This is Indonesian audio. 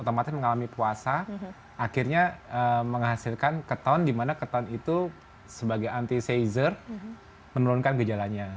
otomatis mengalami puasa akhirnya menghasilkan keton di mana keton itu sebagai antiseizer menurunkan gejalanya